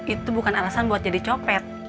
itu bukan alasan buat jadi copet